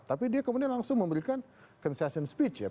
tapi dia kemudian langsung memberikan concession speech ya